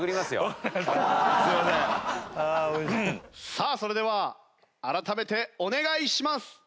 さあそれでは改めてお願いします！